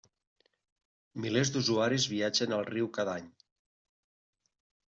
Milers d'usuaris viatgen al riu cada any.